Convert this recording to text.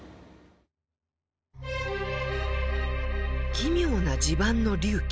奇妙な地盤の隆起。